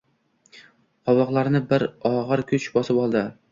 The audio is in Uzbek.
Qovoqlarini bir og‘ir kuch bosib oldi.